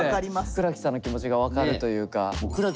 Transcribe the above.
倉木さんの気持ちが分かるというか。